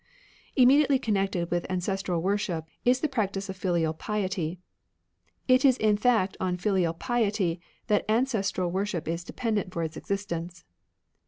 Intimately connected with ancestral Ptety*. worship is the practice of filial piety ; it is in fact on fiUal piety that an cestral worship is dependent for its existence.